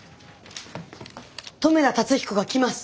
留田辰彦が来ます！